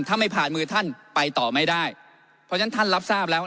ถ้าไม่ผ่านมือท่านไปต่อไม่ได้เพราะฉะนั้นท่านรับทราบแล้ว